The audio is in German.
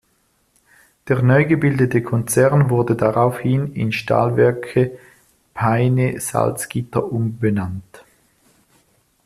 Der neu gebildete Konzern wurde daraufhin in Stahlwerke Peine-Salzgitter umbenannt.